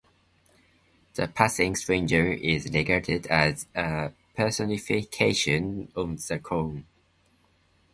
The passing stranger is regarded as a personification of the corn.